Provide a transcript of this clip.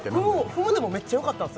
踏むでもめっちゃよかったんすよ